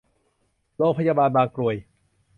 โรงพยาบาลบางกรวย